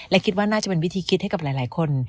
และคิดว่าน่าจะเป็นวิธีคิดให้กับหลายคน